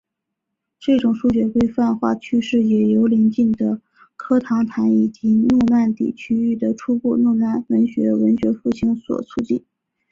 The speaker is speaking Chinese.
这种书写规范化趋势也由临近的科唐坦以及诺曼底区域的初步诺曼语文学复兴所促进。